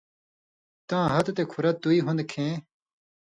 تاں ہتہۡ تے کُھرہ تُوئ ہُوندہۡ کھیں